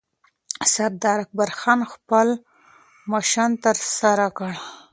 سردار اکبرخان خپل مشن ترسره کړ